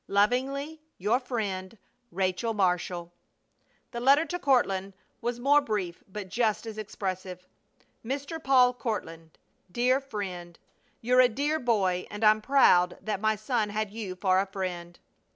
Lovingly, your friend, RACHEL MARSHALL. The letter to Courtland was more brief, but just as expressive: MR. PAUL COURTLAND: DEAR FRIEND. You're a dear boy and I'm proud that my son had you for a friend.